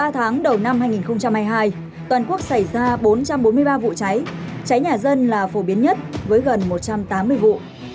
ba tháng đầu năm hai nghìn hai mươi hai toàn quốc xảy ra bốn trăm bốn mươi ba vụ cháy cháy cháy nhà dân là phổ biến nhất với gần một trăm tám mươi vụ